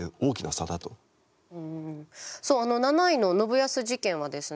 さあ７位の信康事件はですね